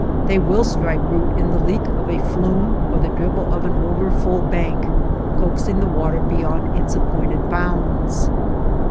They will strike root in the leak of a flume, or the dribble of an overfull bank, coaxing the water beyond its appointed bounds.